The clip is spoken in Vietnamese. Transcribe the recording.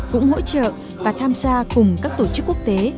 cũng hỗ trợ và tham gia cùng các tổ chức quốc tế